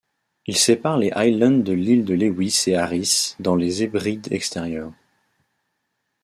Il sépare les Highlands de l'île de Lewis et Harris dans les Hébrides extérieures.